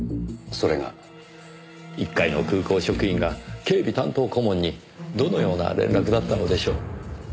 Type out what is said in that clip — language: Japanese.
それが？一介の空港職員が警備担当顧問にどのような連絡だったのでしょう？